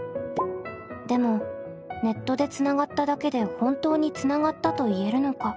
でもネットでつながっただけで本当につながったと言えるのか。